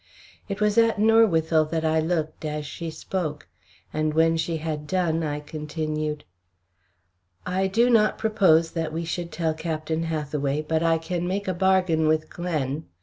It was at Norwithel that I looked as she spoke, and when she had done I continued: "I do not propose that we should tell Captain Hathaway, but I can make a bargain with Glen.